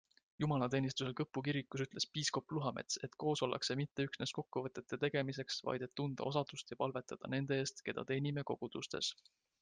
Jumalateenistusel Kõpu kirikus ütles piiskop Luhamets, et koos ollakse mitte üksnes kokkuvõtete tegemiseks, vaid et tunda osadust ja palvetada nende eest, keda teenime kogudustes.